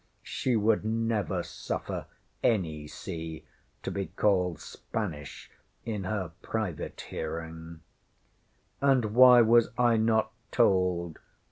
She would never suffer any sea to be called Spanish in her private hearing. ŌĆśŌĆ£And why was I not told?